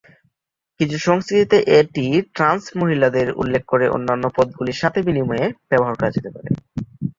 কিছু সংস্কৃতিতে এটি ট্রান্স মহিলাদের উল্লেখ করে অন্যান্য পদগুলির সাথে বিনিময়ে ব্যবহার করা যেতে পারে।